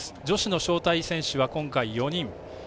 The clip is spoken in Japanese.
女子の招待選手は今回４人。